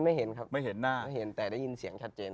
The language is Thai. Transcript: ไม่เห็นครับแต่ได้ยินเสียงชัดเจน